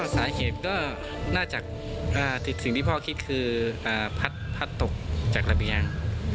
สาเหตุก็น่าจะสิ่งที่พ่อคิดคือพัดตกจากระเบียง